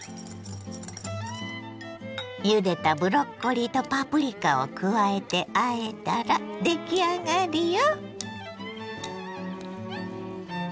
ゆでたブロッコリーとパプリカを加えてあえたら出来上がりよ。